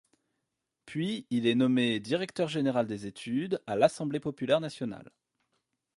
Puis il est nommé directeur général des études à l’Assemblée Populaire Nationale.